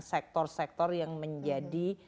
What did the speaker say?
sektor sektor yang menjadi